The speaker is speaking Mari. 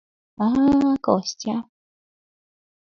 — А-а, Костя!